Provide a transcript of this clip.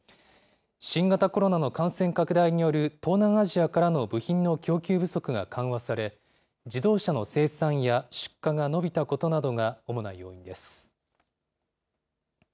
新型コロナの感染拡大による東南アジアからの部品の供給不足が緩和され、自動車の生産や出荷が伸びたことなどが主な要因です。